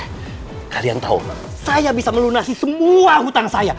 kalian tahu saya bisa melunasi semua hutang saya